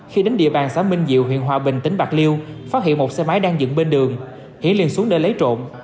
khi đến địa bàn xã minh diệu huyện hòa bình tỉnh bạc liêu phát hiện một xe máy đang dựng bên đường hiển xuống để lấy trộm